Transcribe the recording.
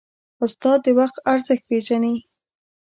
استاد د وخت ارزښت پېژني.